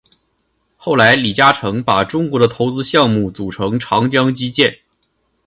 后来李嘉诚把中国的投资项目组成长江基建。